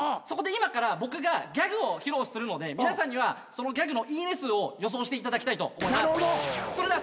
そこで今から僕がギャグを披露するので皆さんにはそのギャグのいいね数を予想していただきたいと思います。